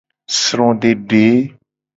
Srodede.